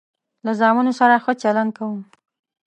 له زامنو سره ښه چلند کوم.